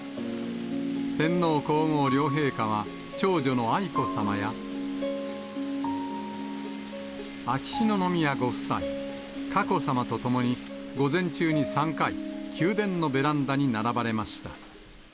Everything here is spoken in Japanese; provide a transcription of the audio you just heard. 天皇皇后両陛下は、長女の愛子さまや、秋篠宮ご夫妻、佳子さまと共に、午前中に３回、宮殿のベランダに並ばれました。